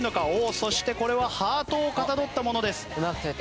おおそしてこれはハートをかたどったものです。